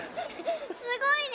すごいね！